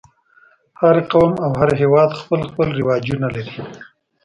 هر قوم او هر هېواد خپل خپل رواجونه لري.